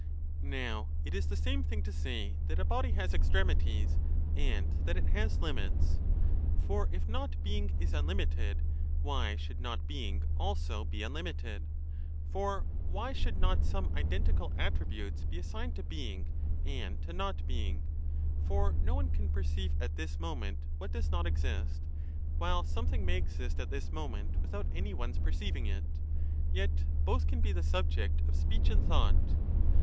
Now it is the same thing to say that a body has extremities, and that it has limits ...* For if 25 Not being is unlimited, why should not Being also be unlimited ? For why should not some identical attri butes be assigned to Being and to Not being ? For no one can perceive at this moment what does not exist, while something may exist at this moment without any one s perceiving it ; 2 yet both can be the subject of speech and thought